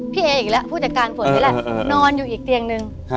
พี่เออีกแล้วผู้จัดการฝนนี่แหละนอนอยู่อีกเตียงนึง